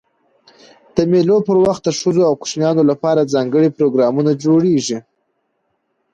د مېلو پر وخت د ښځو او کوچنيانو له پاره ځانګړي پروګرامونه جوړېږي.